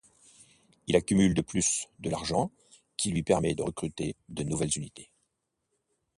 Il accumule de plus de l’argent, qui lui permet de recruter de nouvelles unités.